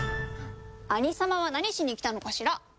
兄様は何しに来たのかしら？